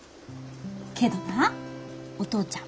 けどなお父ちゃん